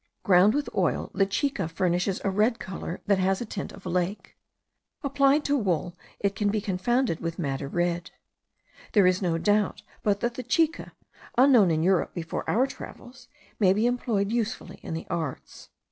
Ground with oil, the chica furnishes a red colour that has a tint of lake. Applied to wool, it might be confounded with madder red. There is no doubt but that the chica, unknown in Europe before our travels, may be employed usefully in the arts.